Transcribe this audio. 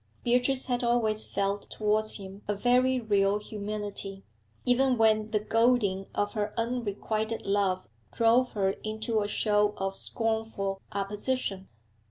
Beatrice had always felt towards him a very real humility, even when the goading of her unrequited love drove her into a show of scornful opposition.